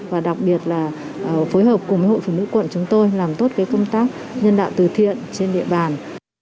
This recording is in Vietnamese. và đặc biệt là phối hợp cùng với hội phụ nữ quận chúng tôi làm tốt công tác nhân đạo từ thiện trên địa bàn